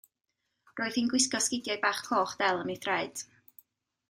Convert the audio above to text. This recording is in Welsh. Roedd hi'n gwisgo sgidiau bach coch del am ei thraed.